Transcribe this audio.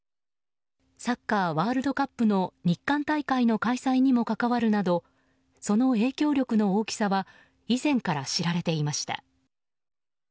サッカーワールドカップの日韓大会の開催にも関わるなどその影響力の大きさは以前から知られていました。